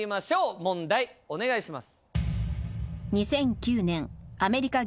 問題お願いします。